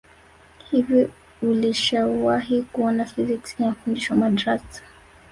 hivi ulishawahi kuona physics inafundishwa madrasa